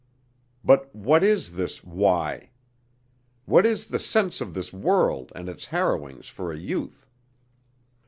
But what is this why? What is the sense of this world and its harrowings for a youth?